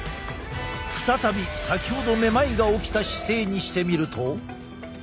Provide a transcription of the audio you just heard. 再び先ほどめまいが起きた姿勢にしてみると。